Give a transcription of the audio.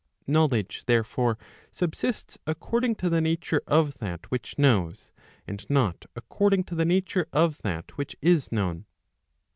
Knowledge therefore subsists according to the nature of that which knows , and not according to the nature of that which is known.